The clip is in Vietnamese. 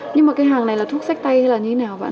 nhưng mà cái hàng này là thuốc sách tay hay là như thế nào